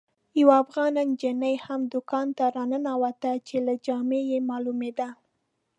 یوه افغانه نجلۍ هم دوکان ته راننوته چې له جامو یې معلومېده.